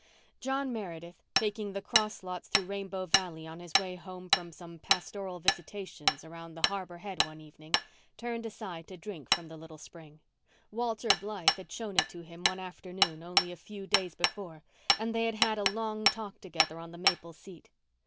John Meredith, taking the cross lots road through Rainbow Valley on his way home from some pastoral visitations around the Harbour head one evening, turned aside to drink of the little spring. Walter Blythe had shown it to him one afternoon only a few days before, and they had had a long talk together on the maple seat.